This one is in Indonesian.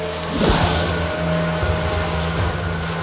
dan mereka juga bisa menangkap moose